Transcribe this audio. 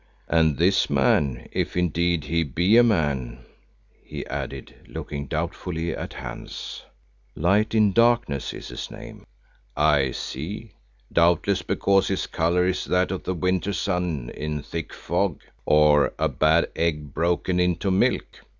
And this man, if indeed he be a man——" he added, looking doubtfully at Hans. "Light in Darkness is his name." "I see, doubtless because his colour is that of the winter sun in thick fog, or a bad egg broken into milk.